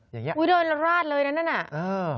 อย่างนี้อุ๊ยเดินราดเลยนะนั่นอ้าว